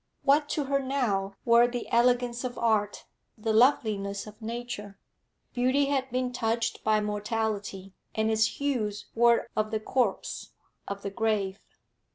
What to her now were the elegance of art, the loveliness of nature? Beauty had been touched by mortality, and its hues were of the corpse, of the grave.